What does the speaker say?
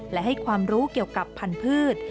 และให้ความรู้เกี่ยวกับพันธุ์พืช